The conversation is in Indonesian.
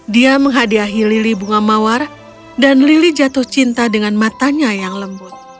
dia menghadiahi lili bunga mawar dan lili jatuh cinta dengan matanya yang lembut